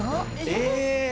え